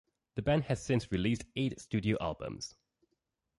The band has since released eight studio albums.